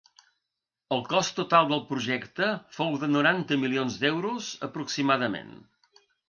El cost total del projecte fou de noranta milions d’euros aproximadament.